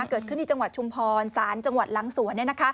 เกิดขึ้นที่จังหวัดชุมพรศาลจังหวัดหลังสวน